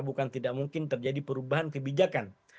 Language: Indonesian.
bukan tidak mungkin terjadi perubahan kebijakan